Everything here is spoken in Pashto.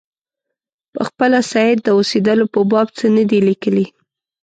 پخپله سید د اوسېدلو په باب څه نه دي لیکلي.